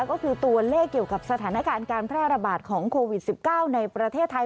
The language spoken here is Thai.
ก็คือตัวเลขเกี่ยวกับสถานการณ์การแพร่ระบาดของโควิด๑๙ในประเทศไทย